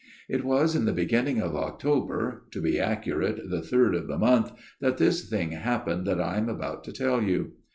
" It was in the beginning of October to be accurate, the third of the month that this thing happened that I am about to tell you.